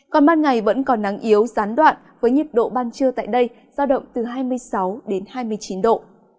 còn ban ngày vẫn còn nắng yếu gián đoạn với nhiệt độ ban trưa tại đây giao động từ hai mươi sáu đến hai mươi chín độ